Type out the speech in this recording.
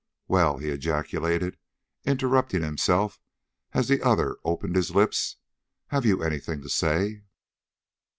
Well!" he ejaculated, interrupting himself as the other opened his lips, "have you any thing to say?"